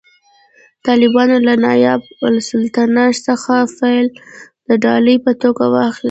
طالبانو له نایب السلطنه څخه فیل د ډالۍ په توګه واخیست